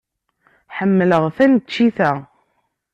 Ḥemmleɣ taneččit-a.